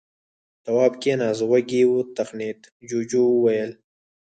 تواب کېناست. غوږ يې وتخڼېد. جُوجُو وويل: